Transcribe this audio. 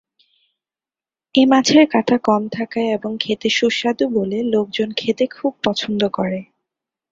এ মাছের কাঁটা কম থাকায় এবং খেতে সুস্বাদু বলে লোকজন খেতে খুব পছন্দ করে।